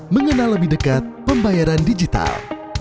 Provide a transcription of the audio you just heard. mengenal lebih dekat pembayaran digital